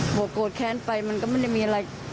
พอโกรธแค้นไปมันก็ไม่ได้มีอะไร